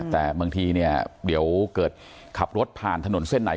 แต่บางทีเนี่ยเดี๋ยวเกิดขับรถผ่านถนนเส้นไหน